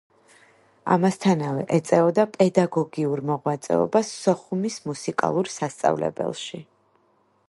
ამასთანავე ეწეოდა პედაგოგიურ მოღვაწეობას სოხუმის მუსიკალურ სასწავლებელში.